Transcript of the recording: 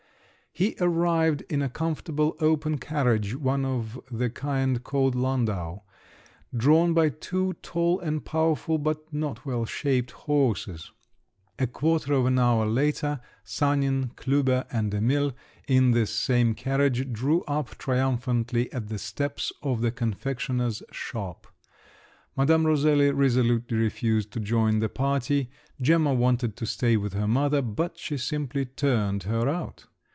He arrived in a comfortable open carriage—one of the kind called landau—drawn by two tall and powerful but not well shaped horses. A quarter of an hour later Sanin, Klüber, and Emil, in this same carriage, drew up triumphantly at the steps of the confectioner's shop. Madame Roselli resolutely refused to join the party; Gemma wanted to stay with her mother; but she simply turned her out.